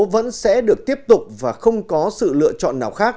vẫn sẽ được tiếp tục và không có sự lợi